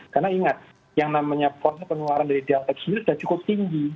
karena ingat yang namanya konsep penularan dari delta sendiri sudah cukup tinggi